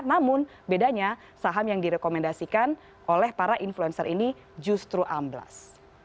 namun bedanya saham yang direkomendasikan oleh para influencer ini justru amblas